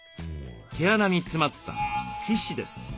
毛穴に詰まった皮脂です。